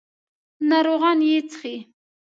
ناروغان یې څښي.